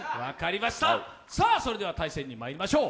それでは対戦にまいりましょう。